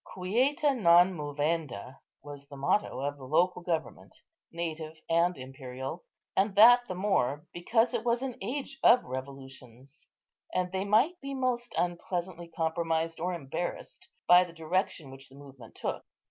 "Quieta non movenda" was the motto of the local government, native and imperial, and that the more, because it was an age of revolutions, and they might be most unpleasantly compromised or embarrassed by the direction which the movement took.